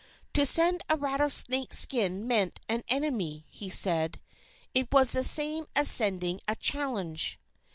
To send a rattlesnake skin meant an enemy, he said. It was the same as sending a challenge.